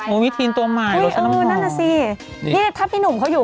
โอ้ยมิสทีนตัวใหม่โลชั่นน้ำหอมนี่ถ้าพี่หนุ่มเขาอยู่